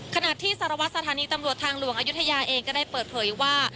ขณะที่สารวัตรสถานีตำรวจทางหลวงอายุทยาเองก็ได้เปิดเผยว่า